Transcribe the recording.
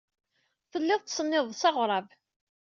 Tellid tettsennided s aɣrab.